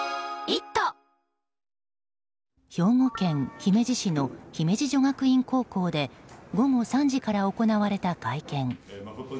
兵庫県姫路市の姫路女学院高校で午後３時から行われた会見。